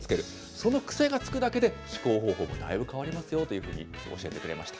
その癖がつくだけで、思考方法もだいぶ変わりますよというふうに教えてくれました。